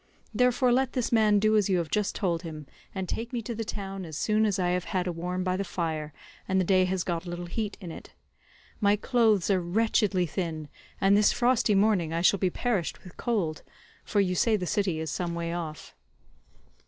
Therefore let this man do as you have just told him, and take me to the town as soon as I have had a warm by the fire, and the day has got a little heat in it. My clothes are wretchedly thin, and this frosty morning I shall be perished with cold, for you say the city is some way off."